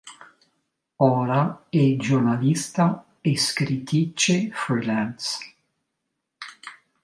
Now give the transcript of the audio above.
Ora è giornalista e scrittrice freelance.